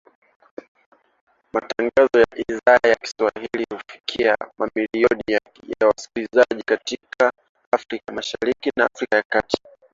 Matangazo ya Idhaa ya Kiswahili huwafikia mamilioni ya wasikilizaji katika Afrika Mashariki na Afrika ya kati.